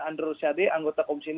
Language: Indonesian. andro syadeh anggota komisi enam